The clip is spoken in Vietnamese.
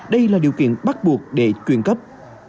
đây là điều kiện bắt buộc để chuyển cấp